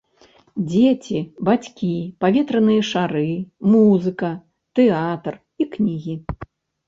Дзеці, бацькі, паветраныя шары, музыка, тэатр і кнігі.